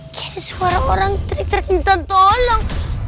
kayak ada suara orang terkita tolong